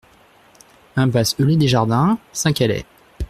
Impasse Hellé-Desjardins, Saint-Calais